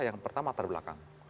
yang pertama terbelakang